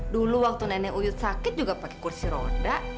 dulu waktu nenek uyut sakit juga pakai kursi roda